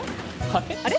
あれ？